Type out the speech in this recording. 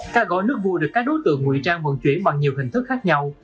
cá gói nước vùi được các đối tượng nguy trang vận chuyển bằng nhiều hình thức khác nhau